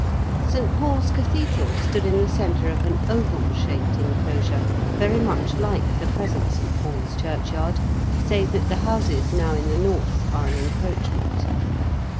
St. Paul's Cathedral stood in the centre of an oval shaped enclosure very much like the present St. Paul's Churchyard, save that the houses now in the north are an encroachment.